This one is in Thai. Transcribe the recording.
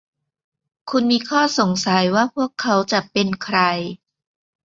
คุณมีข้อสงสัยว่าพวกเขาจะเป็นใคร ?